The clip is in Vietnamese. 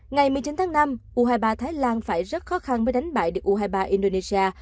ngày một mươi chín tháng năm u hai mươi ba thái lan phải rất khó khăn mới đánh bại được u hai mươi ba indonesia